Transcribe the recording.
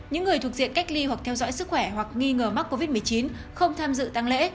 những người thuộc diện cách ly hoặc theo dõi sức khỏe hoặc nghi ngờ mắc covid một mươi chín không tham dự tăng lễ